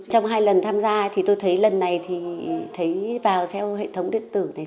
trong hai lần tham gia thì tôi thấy lần này thì thấy vào theo hệ thống điện tử này